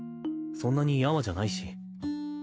そんなにやわじゃないし。